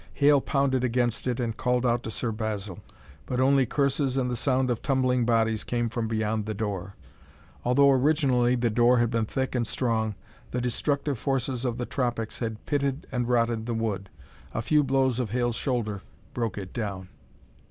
Hale pounded against it and called out to Sir Basil, but only curses and the sound of tumbling bodies came from beyond the door. Although originally the door had been thick and strong, the destructive forces of the tropics had pitted and rotted the wood. A few blows of Hale's shoulder broke it down.